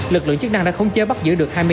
lực lượng chức năng đã khống chế bắt giữ được